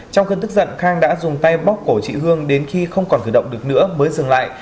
trong cơn tức giận khang đã dùng tay bóc cổ chị hương đến khi không còn cử động được nữa mới dừng lại